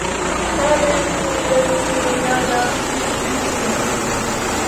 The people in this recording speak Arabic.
طلب منّي مدرّس الرّياضة أن أسرع.